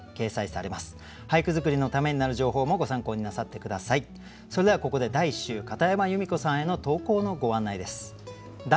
それではここで第１週片山由美子さんへの投稿のご案内です。